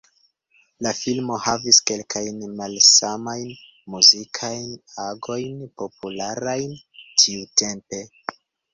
La filmo havis kelkajn malsamajn muzikajn agojn popularajn tiutempe.